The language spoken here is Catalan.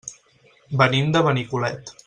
Venim de Benicolet.